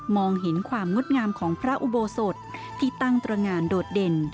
เห็นความงดงามของพระอุโบสถที่ตั้งตรงานโดดเด่น